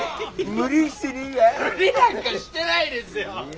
無理なんかしてないですよ！